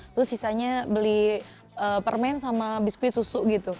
terus sisanya beli permen sama biskuit susu gitu